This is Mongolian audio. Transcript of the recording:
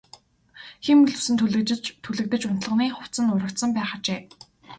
Хиймэл үс нь түлэгдэж унтлагын хувцас нь урагдсан байх ажээ.